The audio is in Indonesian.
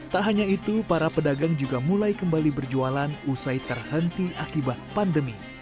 tak hanya itu para pedagang juga mulai kembali berjualan usai terhenti akibat pandemi